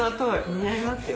似合いますよ。